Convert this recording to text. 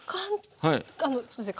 すみません